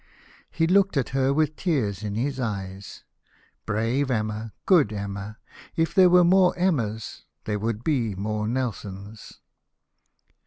He looked at her with tears in his eyes. " Brave Emma !— Good Emma! — If there were more Emmas, there would be more Nelsons."